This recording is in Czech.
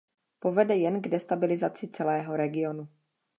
Povede jen k destabilizaci celého regionu.